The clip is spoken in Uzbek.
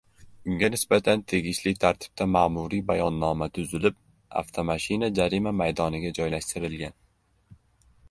Unga nisbatan tegishli tartibda ma’muriy bayonnoma tuzilib, avtomashina jarima maydoniga joylashtirilgan